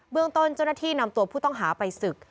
เรื่องต้นเจ้าหน้าที่นำตัวผู้ต้องหาไปศึก